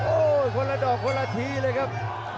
โอ้โหคนละดอกคนละทีเลยครับ